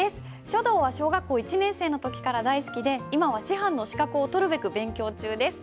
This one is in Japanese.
書道は小学校１年生の時から大好きで今は師範の資格を取るべく勉強中です。